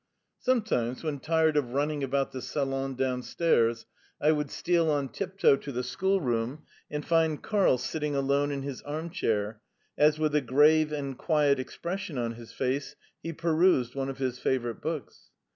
Sometimes, when tired of running about the salon downstairs, I would steal on tiptoe to the schoolroom and find Karl sitting alone in his armchair as, with a grave and quiet expression on his face, he perused one of his favourite books.